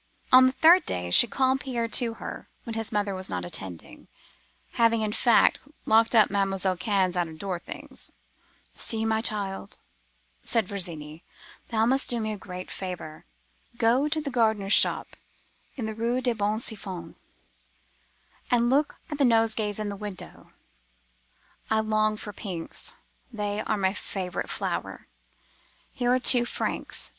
The third day, she called Pierre to her, when his mother was not attending (having, in fact, locked up Mademoiselle Cannes' out of door things). "'See, my child,' said Virginie. 'Thou must do me a great favour. Go to the gardener's shop in the Rue des Bons Enfans, and look at the nosegays in the window. I long for pinks; they are my favourite flower. Here are two francs.